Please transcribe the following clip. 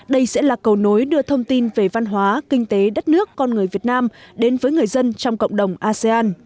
đây sẽ là cầu nối đưa thông tin về văn hóa kinh tế đất nước con người việt nam đến với người dân trong cộng đồng asean